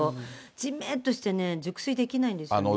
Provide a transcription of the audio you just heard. じめっとしてね、熟睡できないんですよね。